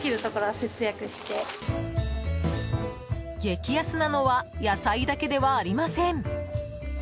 激安なのは野菜だけではありません。